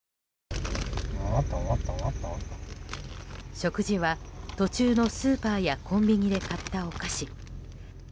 食事は、途中のスーパーやコンビニで買ったお菓子。